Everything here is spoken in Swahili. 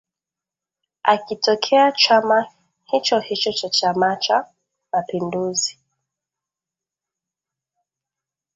akitokea chama hichohicho cha Chamacha mapinduzi